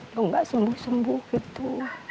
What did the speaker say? tidak sembuh sembuh gitu